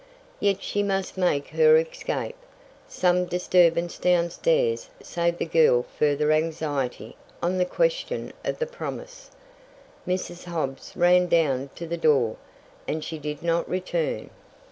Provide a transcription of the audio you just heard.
Yet she must make her escape. Some disturbance downstairs saved the girl further anxiety on the question of the promise. Mrs. Hobbs ran down to the door, and she did not return.